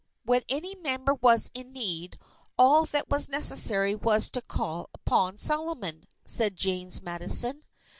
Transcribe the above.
"When any member was in need, all that was necessary was to call upon Salomon," said James Madison.